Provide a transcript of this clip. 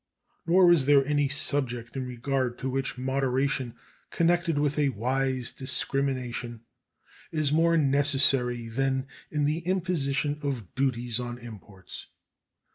Nor is there any subject in regard to which moderation, connected with a wise discrimination, is more necessary than in the imposition of duties on imports.